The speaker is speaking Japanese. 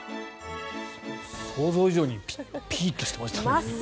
想像以上にピンとしてましたね。